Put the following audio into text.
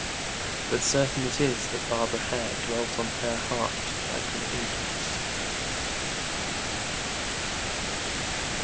But certain it is that Barbara Hare dwelt on her heart like an incubus.